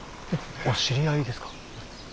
お知り合いですか。